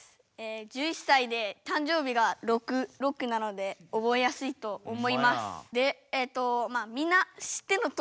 １１さいでたん生日が６６なのでおぼえやすいと思います。